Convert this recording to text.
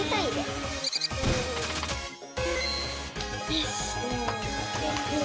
よし！